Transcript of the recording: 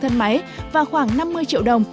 thân máy và khoảng năm mươi triệu đồng